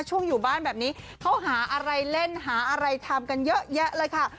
อยู่บ้านแบบนี้เขาหาอะไรเล่นหาอะไรทำกันเยอะแยะเลยค่ะ